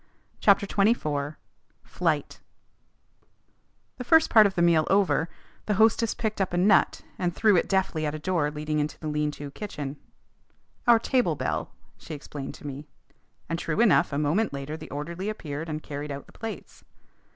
CHAPTER XXIV FLIGHT The first part of the meal over, the hostess picked up a nut and threw it deftly at a door leading into the lean to kitchen. "Our table bell," she explained to me. And, true enough, a moment later the orderly appeared and carried out the plates.